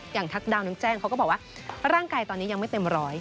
ทักดาวนึกแจ้งเขาก็บอกว่าร่างกายตอนนี้ยังไม่เต็มร้อย